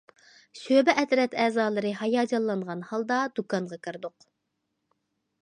شۆبە ئەترەت ئەزالىرى ھاياجانلانغان ھالدا دۇكانغا كىردۇق.